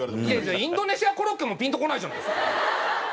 インドネシアコロッケもピンとこないじゃないですか。